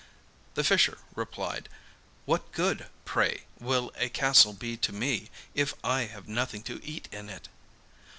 The fisher replied: 'What good, pray, will a castle be to me if I have nothing to eat in it?